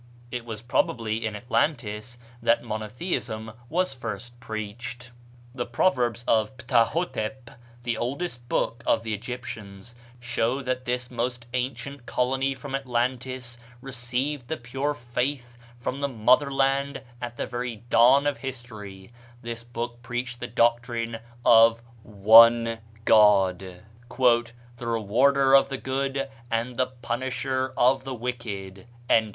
It was probably in Atlantis that monotheism was first preached. The proverbs of "Ptah hotep," the oldest book of the Egyptians, show that this most ancient colony from Atlantis received the pure faith from the mother land at the very dawn of history: this book preached the doctrine of one God, "the rewarder of the good and the punisher of the wicked."